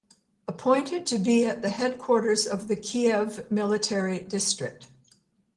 Appointed to be at the headquarters of the Kiev military district.